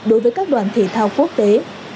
đối với các đoàn thể thao quốc tế